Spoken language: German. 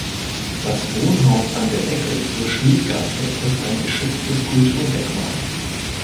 Das Wohnhaus an der Ecke zur Schmiedgasse ist ein geschütztes Kulturdenkmal.